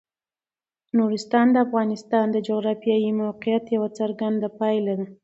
نورستان د افغانستان د جغرافیایي موقیعت یوه څرګنده پایله ده.